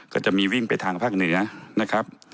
ก็จะมีวิ่งไปทางภาคเหนือนะครับ